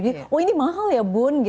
jadi oh ini mahal ya bun